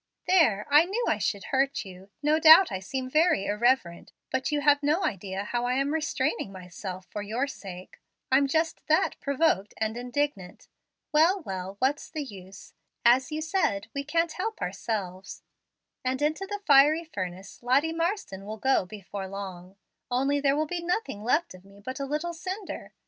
"There, I knew I should hurt you. No doubt I seem very irreverent, but you have no idea how I am restraining myself for your sake. I'm just that provoked and indignant Well, well, what's the use? As you said, we can't help ourselves, and into the fiery furnace Lottie Marsden will go before long; only there will be nothing left of me but a little cinder.